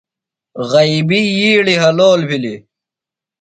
غیبیۡ ییڑیۡ حلول بِھلیۡ۔